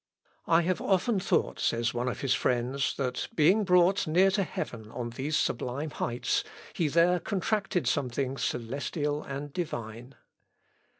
"I have often thought," says one of his friends, "that, being brought near to heaven on these sublime heights, he there contracted something celestial and divine."